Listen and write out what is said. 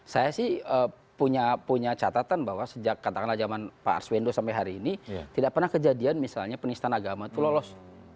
saya sih punya catatan bahwa sejak katakanlah zaman pak arswendo sampai hari ini tidak pernah kejadian misalnya penistaan agama itu lolos